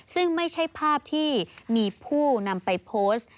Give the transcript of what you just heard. ซึ่งไม่ใช่ภาพที่มีผู้นำไปโพสต์